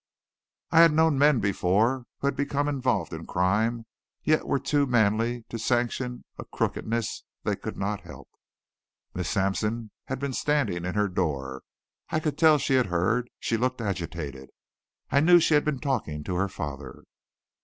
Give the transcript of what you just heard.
I had known men before who had become involved in crime, yet were too manly to sanction a crookedness they could not help. Miss Sampson had been standing in her door. I could tell she had heard; she looked agitated. I knew she had been talking to her father.